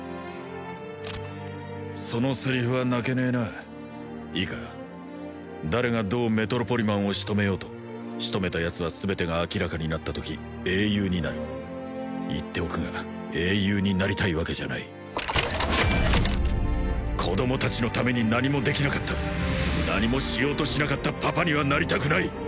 そのセリフは泣けねえないいか誰がどうメトロポリマンをしとめようとしとめたヤツは全てが明らかになったとき英雄になる言っておくが英雄になりたいわけじゃない子供達のために何もできなかった何もしようとしなかったパパにはなりたくない